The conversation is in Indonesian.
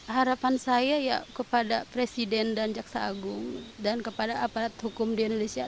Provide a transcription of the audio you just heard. harapan saya ya kepada presiden dan jaksa agung dan kepada aparat hukum di indonesia